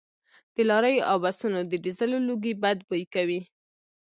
د لاریو او بسونو د ډیزلو لوګي بد بوی کوي